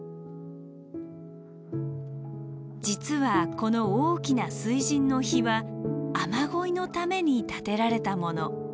実はこの大きな水神の碑は雨乞いのために建てられたもの。